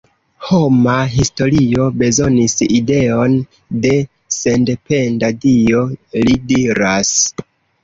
Homa historio bezonis ideon de sendependa Dio, li diras.